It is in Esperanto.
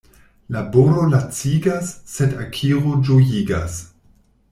Laboro lacigas, sed akiro ĝojigas.